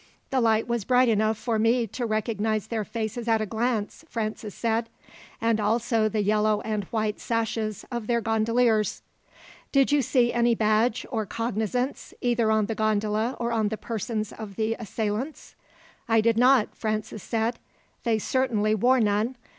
"The light was bright enough for me to recognize their faces at a glance," Francis said, "and also the yellow and white sashes of their gondoliers." "Did you see any badge or cognizance, either on the gondola or on the persons of the assailants?" "I did not," Francis said. "They certainly wore none.